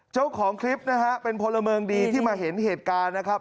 เจ้าของคลิปนะฮะเป็นพลเมืองดีที่มาเห็นเหตุการณ์นะครับ